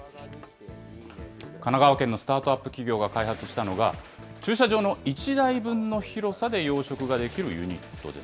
神奈川県のスタートアップ企業が開発したのが、駐車場の１台分の広さで養殖ができるユニットです。